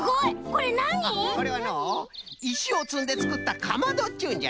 これはのういしをつんでつくったかまどっちゅうんじゃよ。